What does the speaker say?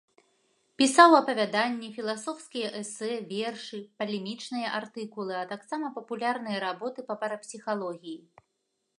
Пісаў апавяданні, філасофскія эсэ, вершы, палемічныя артыкулы, а таксама папулярныя работы па парапсіхалогіі.